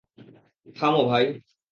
থামো, ভাই!